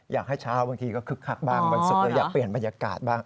อยากให้เช้าบางทีก็คึกคักบ้างบางทีอยากเปลี่ยนบรรยากาศบ้าง